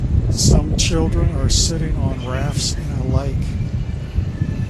Some children are sitting on rafts in a lake.